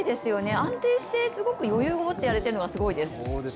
安定してすごく余裕をもってやれているのがすごいです。